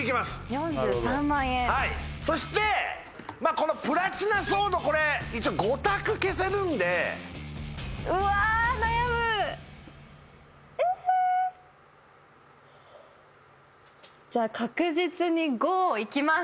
４３万円はいそしてまあこのプラチナソードこれ一応５択消せるんでうわ悩むええじゃあ確実に５いきます